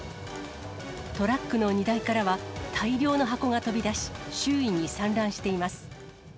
トラックの荷台からは大量の箱が飛び出し、周囲に散乱しています。